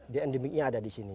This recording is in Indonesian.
di endemiknya ada di sini